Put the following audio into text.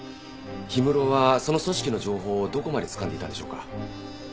氷室はその組織の情報をどこまでつかんでいたんでしょうか？